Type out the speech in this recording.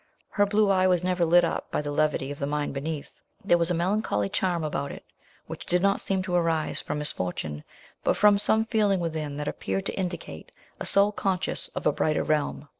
Her blue eye was never lit up by the levity of the mind beneath. There was a melancholy charm about it which did not seem to arise from misfortune, but from some feeling within, that appeared to indicate a soul conscious of a brighter realm.